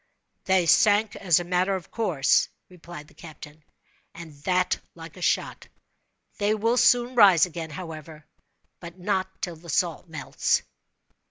"They sank as a matter of course," replied the captain, "and that like a shot. They will soon rise again, however—but not till the salt melts."